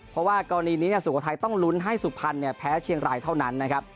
เพราะว่ากรณีนี้สุโขทัยต้องลุ้นให้สุพรรณแพ้เชียงรายเท่านั้นนะครับ